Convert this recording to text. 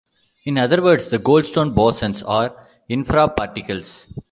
In other words, the Goldstone bosons are infraparticles.